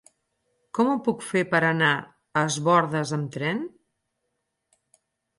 Com ho puc fer per anar a Es Bòrdes amb tren?